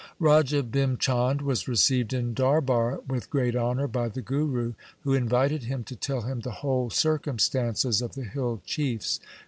Raja Bhim Chand was received in darbar with great honour by the Guru, who invited him to tell him the whole circumstances of the hill chiefs.